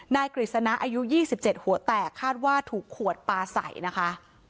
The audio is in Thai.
กฤษณะอายุ๒๗หัวแตกคาดว่าถูกขวดปลาใส่นะคะ